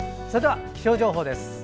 それでは、気象情報です。